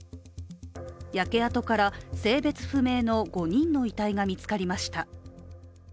焼け跡から性別不明の５人の遺体が見つかりました。